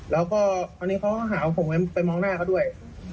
แล้วก็คราวนี้เขาก็หาว่าผมไปมองหน้าเขาด้วย